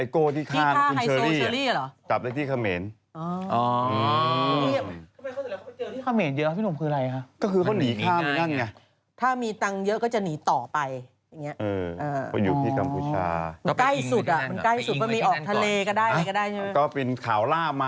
โก้ไหนหายโซเชอรี่หรือฆี่จ้า